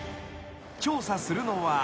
［調査するのは］